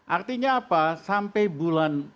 artinya apa sampai bulan